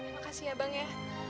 makasih ya bang ya